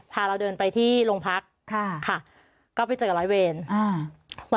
พาเราเดินไปที่โรงพักค่ะค่ะก็ไปเจอกับร้อยเวรอ่า